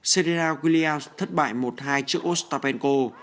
serena guglia thất bại một hai trước ostapenko